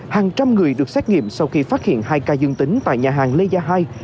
hàng trăm người được xét nghiệm sau khi phát hiện hai ca dương tính tại nhà hàng lê gia hai